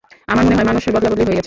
আমার মনে হয় মানুষ বদলাবদলি হয়ে গেছে।